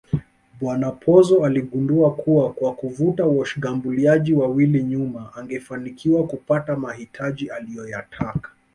Bwana Pozzo aligundua kuwa kwa kuvuta washgambuliaji wawili nyuma angefanikiwa kupata mahitaji aliyoyataka